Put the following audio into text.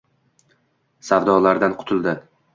Savdolardan qutuldi.